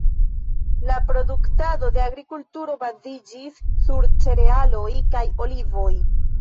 La produktado de agrikulturo baziĝis sur cerealoj kaj olivoj.